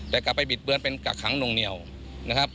แต่กลับไปบิดเบือนเป็นกักขังนวงเหนียวนะครับ